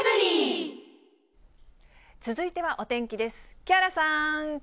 続いてはお天気です。